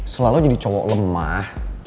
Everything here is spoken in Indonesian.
selalu jadi cowok lemah